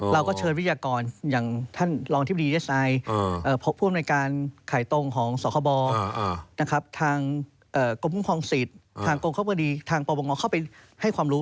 เราก็เชิญวิทยากรอย่างท่านรองที่บริษัทผู้อำนวยการขายตรงของสหบทางกรุงควองสิทธิ์ทางกรุงครอบครัวดีทางประวงรเข้าไปให้ความรู้